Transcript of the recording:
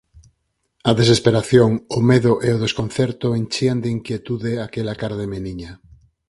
A desesperación, o medo e o desconcerto enchían de inquietude aquela cara de meniña.